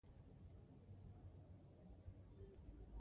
جنګي جت الوتکو